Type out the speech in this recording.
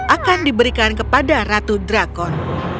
akan diberikan kepada ratu drakon